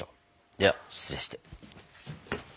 では失礼して。